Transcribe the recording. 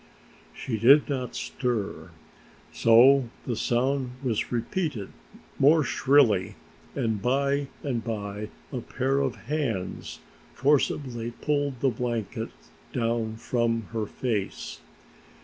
She did not stir, so the sound was repeated more shrilly, and by and by a pair of hands forcibly pulled the blankets down from her face.